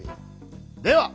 では！